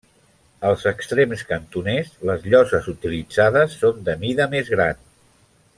Als extrems cantoners, les lloses utilitzades són de mida més gran.